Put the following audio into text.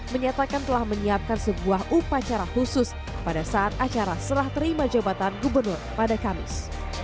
menyatakan telah menyiapkan sebuah upacara khusus pada saat acara serah terima jabatan gubernur pada kamis